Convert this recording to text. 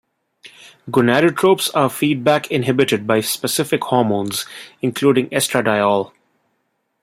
Gonadotropes are feedback inhibited by specific hormones, including estradiol.